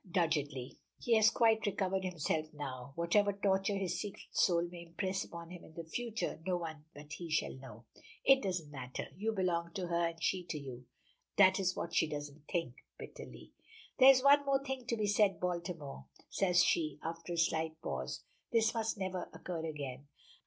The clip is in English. doggedly. He has quite recovered himself now. Whatever torture his secret soul may impress upon him in the future, no one but he shall know. "It doesn't matter. You belong to her, and she to you." "That is what she doesn't think," bitterly. "There is one thing only to be said, Baltimore," says she, after a slight pause. "This must never occur again.